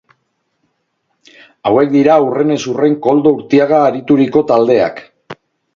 Hauek dira hurrenez hurren Koldo Urtiaga arituriko taldeak.